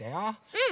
うん。